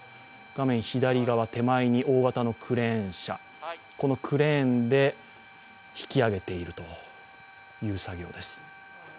画面左側手前に大型のクレーン車、このクレーンで引き揚げているという作業です。